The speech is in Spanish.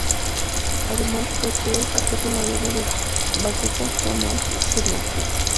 Además, posee su propio modelo de baquetas Pro-Mark signature.